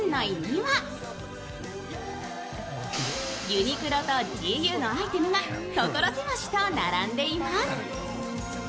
ユニクロとＧＵのアイテムが所狭しと並んでいます。